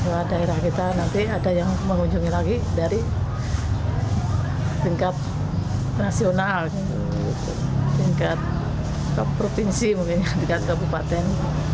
bahwa daerah kita nanti ada yang mengunjungi lagi dari tingkat nasional tingkat provinsi mungkin tingkat kabupaten